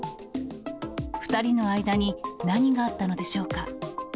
２人の間に何があったのでしょうか。